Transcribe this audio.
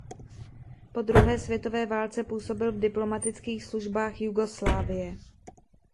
Po druhé světové válce působil v diplomatických službách Jugoslávie.